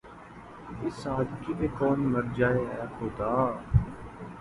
اس سادگی پہ کون مر جائے‘ اے خدا!